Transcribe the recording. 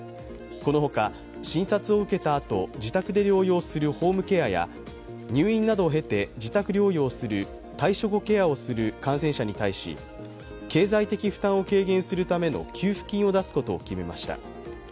このほか、診察を受けたあと自宅で療養するホームケアや入院などを経て退所後ケアをする感染者に対し、経済的負担を軽減するための給付金を出すことを決めました。